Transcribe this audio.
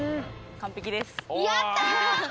完成です。